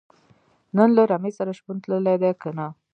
نن له رمې سره شپون تللی دی که نۀ